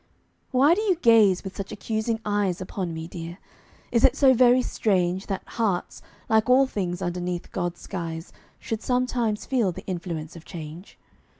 Why do you gaze with such accusing eyes Upon me, dear? Is it so very strange That hearts, like all things underneath God's skies Should sometimes feel the influence of change?